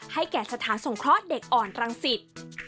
แก่สถานสงเคราะห์เด็กอ่อนตรังสิต